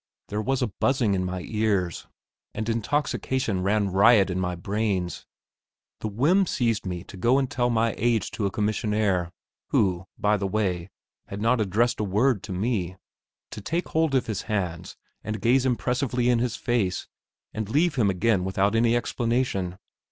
There was a buzzing in my ears, and intoxication ran riot in my brains. The whim seized me to go and tell my age to a commissionaire, who, by the way, had not addressed a word to me; to take hold of his hands, and gaze impressively in his face, and leave him again without any explanation.